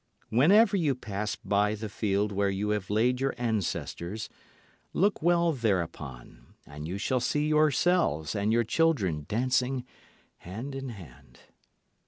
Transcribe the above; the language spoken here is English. Whenever you pass by the field where you have laid your ancestors look well thereupon, and you shall see yourselves and your children dancing hand in hand.